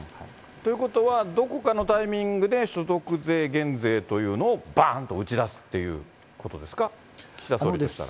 ということは、どこかのタイミングで所得税減税というのをばーんと打ち出すっていうことですか、岸田総理としたら。